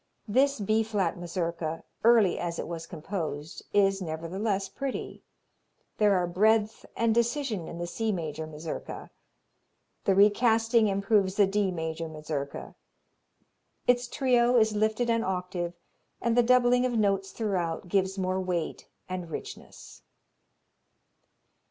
This B flat Mazurka, early as it was composed, is, nevertheless, pretty. There are breadth and decision in the C major Mazurka. The recasting improves the D major Mazurka. Its trio is lifted an octave and the doubling of notes throughout gives more weight and richness.